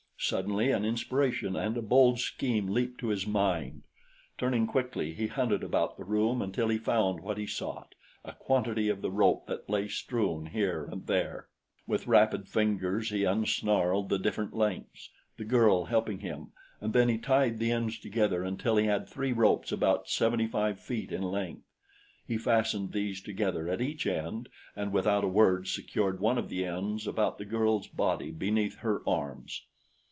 Suddenly an inspiration and a bold scheme leaped to his mind. Turning quickly he hunted about the room until he found what he sought a quantity of the rope that lay strewn here and there. With rapid fingers he unsnarled the different lengths, the girl helping him, and then he tied the ends together until he had three ropes about seventy five feet in length. He fastened these together at each end and without a word secured one of the ends about the girl's body beneath her arms.